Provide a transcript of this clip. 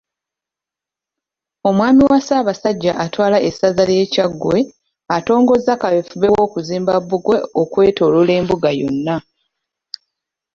Omwami wa Ssaabasajja atwala essaza lye Kyaggwe, atongozza kaweefube w'okuzimba bbugwe okwetooloola Embuga yonna .